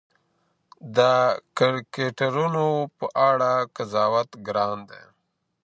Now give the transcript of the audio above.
د کرکټرونو په اړه قضاوت ګران دی.